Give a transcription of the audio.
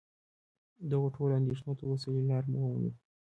دغو ټولو اندېښنو ته اصولي لاره ومومي.